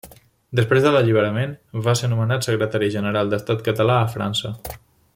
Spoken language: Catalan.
Després de l’alliberament va ser nomenat Secretari General d’Estat Català a França.